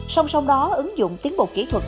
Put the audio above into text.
xong xong đó ứng dụng tiến bộ kỹ thuật